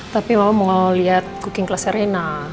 tapi mama mau liat cooking classnya rena